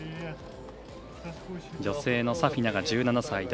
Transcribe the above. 女性のサフィナが１７歳。